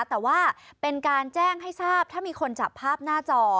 แต่ว่าเป็นการแจ้งให้ทราบถ้ามีคนจับภาพหน้าจอ